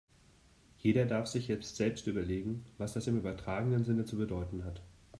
Jeder darf sich jetzt selbst überlegen, was das im übertragenen Sinne zu bedeuten hat.